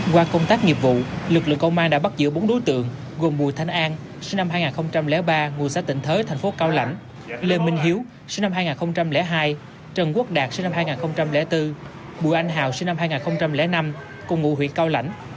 qua công tác nghiệp vụ lực lượng công an đã bắt giữ bốn đối tượng gồm bùi thanh an sinh năm hai nghìn ba ngụ xã tịnh thới thành phố cao lãnh lê minh hiếu sinh năm hai nghìn hai trần quốc đạt sinh năm hai nghìn bốn bùi anh hào sinh năm hai nghìn năm cùng ngụ huyện cao lãnh